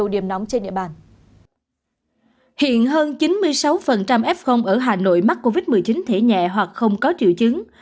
hiện hơn chín mươi sáu f ở hà nội mắc covid một mươi chín thể nhẹ hoặc không có triệu chứng